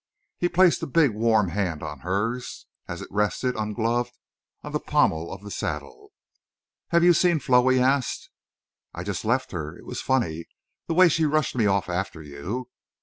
He placed a big warm hand on hers, as it rested, ungloved, on the pommel of the saddle. "Have you seen Flo?" he asked. "I just left her. It was funny—the way she rushed me off after you.